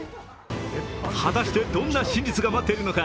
果たしてどんな真実が待っているのか。